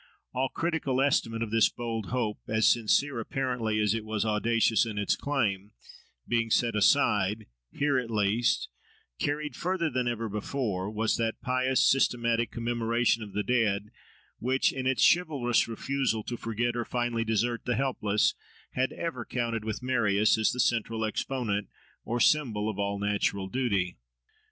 All critical estimate of this bold hope, as sincere apparently as it was audacious in its claim, being set aside, here at least, carried further than ever before, was that pious, systematic commemoration of the dead, which, in its chivalrous refusal to forget or finally desert the helpless, had ever counted with Marius as the central exponent or symbol of all natural duty.